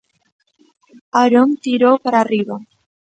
Aarón tirou para arriba.